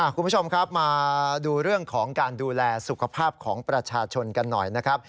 คุณผู้ชมครับมาดูเรื่องของการดูแลสุขภาพของประชาชนกันหน่อยนะครับ